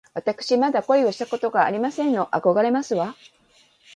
わたくしまだ恋をしたことがありませんの。あこがれますわ